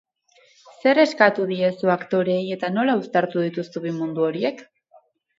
Zer eskatu diezu aktoreei eta nola uztartu dituzu bi mundu horiek?